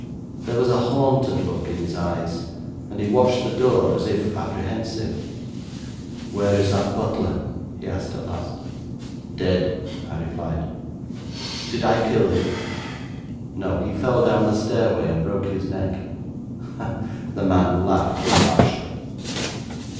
There was a haunted look in his eyes, and he watched the door as if apprehensive. 'Where is that butler?' he asked at last. 'Dead,' I replied. 'Did I kill him?' 'No; he fell down the stairway and broke his neck.' The man laughed harshly.